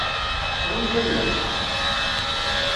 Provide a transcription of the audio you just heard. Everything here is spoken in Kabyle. Tɣunfa-aɣ?